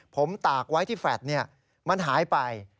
ผมตากไว้ที่แฟลต์มันหายไป